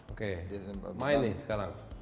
oke main nih sekarang